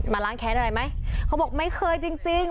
ล้างแค้นอะไรไหมเขาบอกไม่เคยจริงจริง